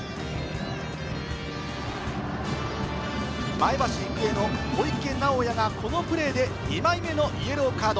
前橋育英の小池直矢がこのプレーで２枚目のイエローカード。